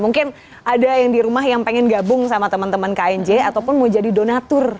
mungkin ada yang di rumah yang pengen gabung sama teman teman knj ataupun mau jadi donatur